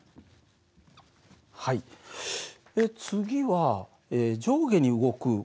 次は上下に動く